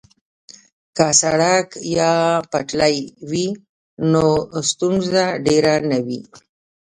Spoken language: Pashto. که سړک یا پټلۍ وي نو ستونزه ډیره نه وي